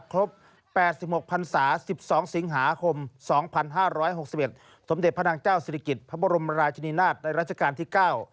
ครบ๘๖พันศา๑๒สิงหาคม๒๕๖๑สมเด็จพระนางเจ้าศิริกิจพระบรมราชนินาทในรัชกาลที่๙